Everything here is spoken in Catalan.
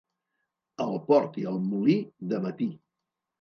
Al port i al molí, de matí.